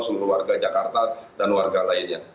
seluruh warga jakarta dan warga lainnya